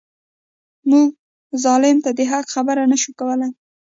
موږ ظالم ته د حق خبره نه شو کولای.